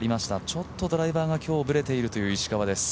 ちょっとドライバーが今日ブレているという石川です。